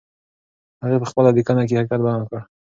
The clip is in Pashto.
هغې په خپله لیکنه کې حقیقت بیان کړ.